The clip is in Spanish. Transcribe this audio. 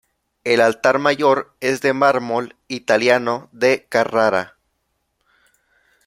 El altar mayor es de mármol italiano de Carrara.